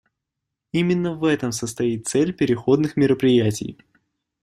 Именно в этом состоит цель переходных мероприятий.